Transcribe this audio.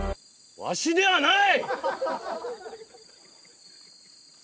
わしではない！